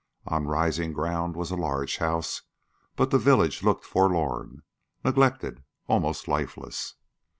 On rising ground was a large house, but the village looked forlorn, neglected, almost lifeless.